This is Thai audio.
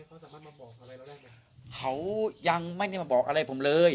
เขาสามารถมาบอกอะไรเราได้ไหมครับเขายังไม่ได้มาบอกอะไรผมเลย